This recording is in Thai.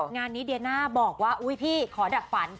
งานนี้เดียน่าบอกว่าอุ๊ยพี่ขอดักฝัน